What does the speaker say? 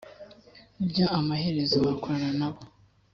byo amaherezo wakorana nabo